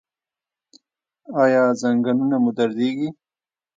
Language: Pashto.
ایا زنګونونه مو دردیږي؟